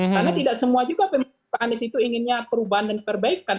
karena tidak semua juga pak anies itu inginnya perubahan dan perbaikan